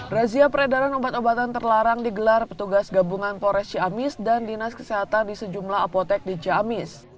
razia peredaran obat obatan terlarang digelar petugas gabungan pores ciamis dan dinas kesehatan di sejumlah apotek di ciamis